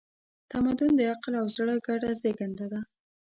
تمدن د عقل او زړه ګډه زېږنده ده.